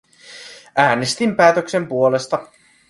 Äänestin päätöksen puolesta.